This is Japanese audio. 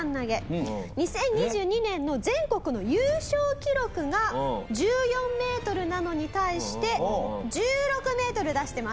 ２０２２年の全国の優勝記録が１４メートルなのに対して１６メートル出してます。